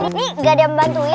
ini gak ada yang membantuin